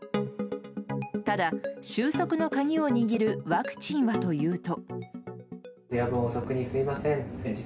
ただ、収束の鍵を握るワクチンはというと。